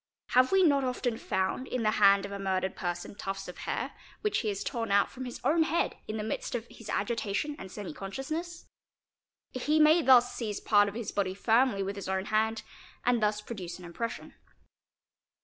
Have we not often found in the hand of a murdered person tufts of hau, which he has torn out from his own head in the midst of his agitation and semi consciousness. He may thus seize part of his body firmly with his own hand and thus produce an impression.